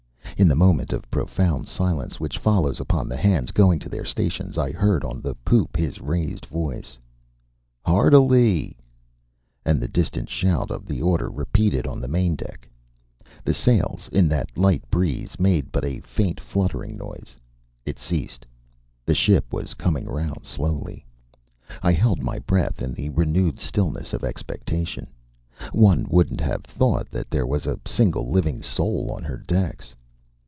In the moment of profound silence which follows upon the hands going to their stations I heard on the poop his raised voice: "Hard alee!" and the distant shout of the order repeated on the main deck. The sails, in that light breeze, made but a faint fluttering noise. It ceased. The ship was coming round slowly: I held my breath in the renewed stillness of expectation; one wouldn't have thought that there was a single living soul on her decks.